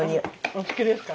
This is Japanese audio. お好きですか。